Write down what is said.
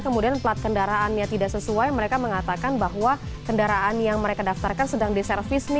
kemudian plat kendaraannya tidak sesuai mereka mengatakan bahwa kendaraan yang mereka daftarkan sedang diservis